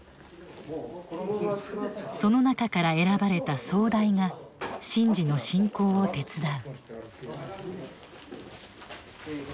その中から選ばれた総代が神事の進行を手伝う。